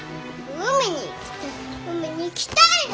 海に行きたいの！